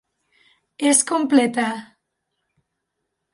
És completa.